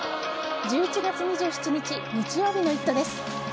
１１月２７日日曜日の「イット！」です。